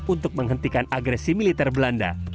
untuk menghentikan agresi militer belanda